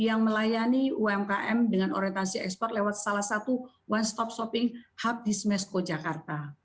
yang melayani umkm dengan orientasi ekspor lewat salah satu one stop shopping hub di smesco jakarta